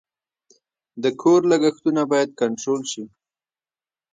د کور لګښتونه باید کنټرول شي.